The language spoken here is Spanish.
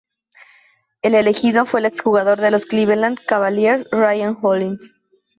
El elegido fue el ex jugador de los Cleveland Cavaliers Ryan Hollins.